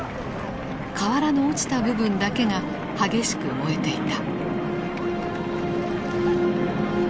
瓦の落ちた部分だけが激しく燃えていた。